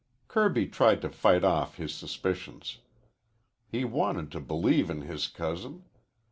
Kirby tried to fight off his suspicions. He wanted to believe in his cousin.